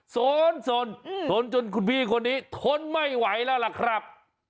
สนสนสนจนคุณพี่คนนี้ทนไม่ไหวแล้วล่ะครับ